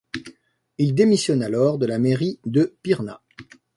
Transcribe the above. Il démissionne alors de la mairie de Pirna.